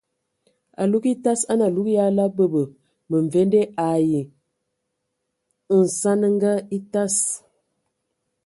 Alug etas a nə alug ya la bəbə məmvende ai nsanəŋa atas.